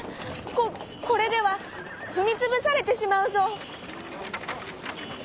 ここれではふみつぶされてしまうぞ」。